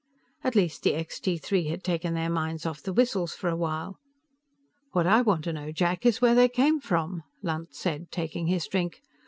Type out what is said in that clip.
At least the Extee Three had taken their minds off the whistles for a while. "What I want to know, Jack, is where they came from," Lunt said, taking his drink.